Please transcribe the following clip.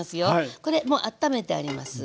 これもうあっためてあります。